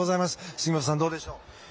杉本さん、どうでしょう？